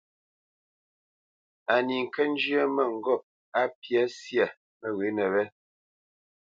Á ní ŋkə́ njyə́ mə́ŋgôp á mbyá syâ məghwěnə wé.